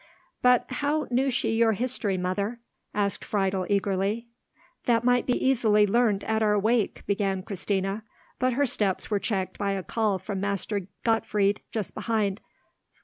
"But how knew she your history, mother?" asked Friedel, eagerly. "That might be easily learnt at our Wake," began Christina; but her steps were checked by a call from Master Gottfried just behind.